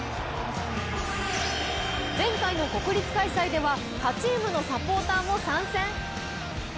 前回の国立開催では他チームのサポーターも参戦。